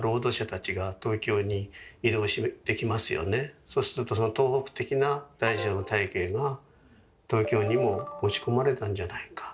ではそうするとその東北的な大小の体系が東京にも持ち込まれたんじゃないか。